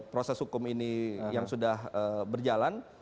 proses hukum ini yang sudah berjalan